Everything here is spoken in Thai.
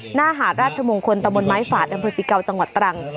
หน้าหาดราชมงคลตะบนไม้ฝาดอำเภอติเกาจังหวัดตรัง